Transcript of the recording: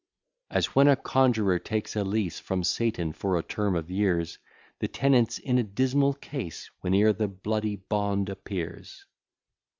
As when a conjurer takes a lease From Satan for a term of years, The tenant's in a dismal case, Whene'er the bloody bond appears.